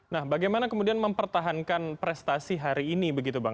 nah bagaimana kemudian mempertahankan prestasi hari ini begitu bang